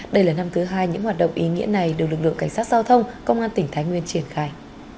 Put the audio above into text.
đây là năm thứ hai những hoạt động ý nghĩa này được lực lượng cảnh sát giao thông công an tỉnh thái nguyên triển khai